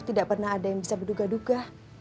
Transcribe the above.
tidak pernah ada yang bisa berduga duga